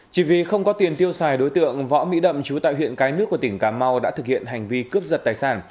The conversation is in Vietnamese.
chỉ vì không có tiền tiêu xài đối tượng võ mỹ đậm chú tại huyện cái nước của tỉnh cà mau đã thực hiện hành vi cướp giật tài sản